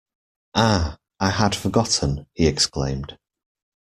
Ah, I had forgotten, he exclaimed.